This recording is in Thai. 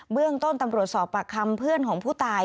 เรื่องต้นตำรวจสอบปากคำเพื่อนของผู้ตาย